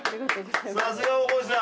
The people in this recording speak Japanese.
さすが大河内さん。